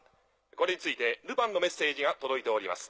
これについてルパンのメッセージが届いております。